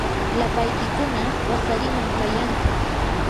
lapaykiykuna wasariman kayanki.